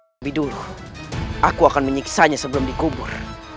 tapi dulu aku akan menyiksa nya sebelum dikubur